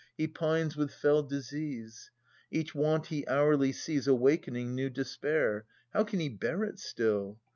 He pines with fell disease ; Each want he hourly sees Awakening new despair. How can he bear it still?